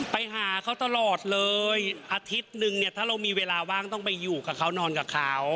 ไปหาเขาตลอดเลยอาทิตย์นึงเนี่ยถ้าเรามีเวลาว่างต้องไปอยู่กับเขานอนกับเขา